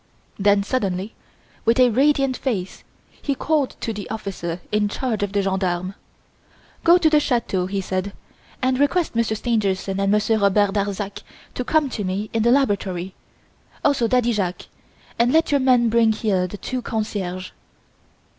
Then suddenly, with a radiant face, he called to the officer in charge of the gendarmes. "Go to the chateau," he said, "and request Monsieur Stangerson and Monsieur Robert Darzac to come to me in the laboratory, also Daddy Jacques; and let your men bring here the two concierges."